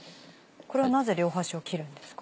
これはなぜ両端を切るんですか？